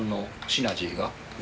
「シナジー」？